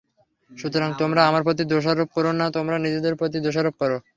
সুতরাং তোমরা আমার প্রতি দোষারোপ করো না, তোমরা নিজেদের প্রতি দোষারোপ কর।